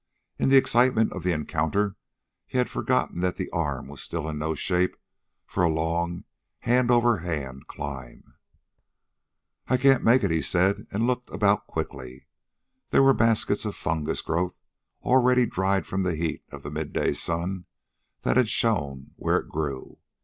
In the excitement of the encounter he had forgotten that the arm was still in no shape for a long hand over hand climb. "I can't make it," he said, and looked about quickly. There were baskets of fungus growth, already dried from the heat of the mid day sun that had shone where it grew.